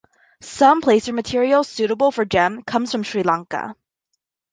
Some placer material suitable for gem use comes from Sri Lanka.